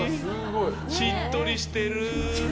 しっとりしてる！